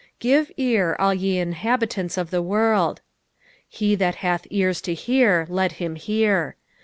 " Oive ear, all ye inAabitants of tke world.'^ " He that hath ears to hear let him hear."